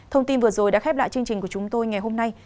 thông tin vừa rồi đã khép lại chương trình của chúng tôi ngày hôm nay